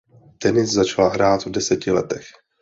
Tenis začala hrát v deseti letech.